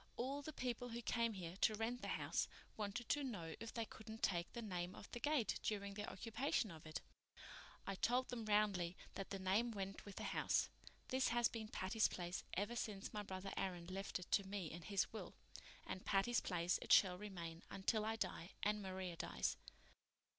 All the people who came here to rent the house wanted to know if they couldn't take the name off the gate during their occupation of it. I told them roundly that the name went with the house. This has been Patty's Place ever since my brother Aaron left it to me in his will, and Patty's Place it shall remain until I die and Maria dies.